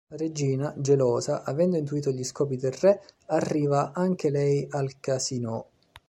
La regina, gelosa, avendo intuito gli scopi del re, arriva anche lei al casino.